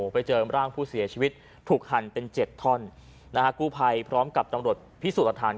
ไปเจอร่างผู้เสียชีวิตถูกหั่นเป็น๗ท่อนนะฮะกู้ภัยพร้อมกับตำรวจพิสูจน์หลักฐาน